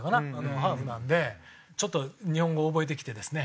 ハーフなんでちょっと日本語覚えてきてですね